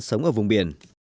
sống ở vùng biển